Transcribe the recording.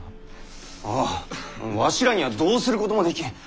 ああわしらにはどうすることもできん。